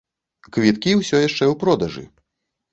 Квіткі ўсё яшчэ ў продажы.